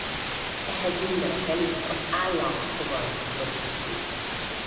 Ehhez mindenekelőtt az állam fogalmát rögzíti.